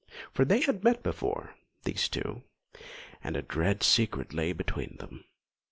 For they had met before, these two, and a dread secret lay between them.